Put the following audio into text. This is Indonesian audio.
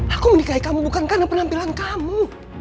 aku menikahi kamu bukan karena penampilan kamu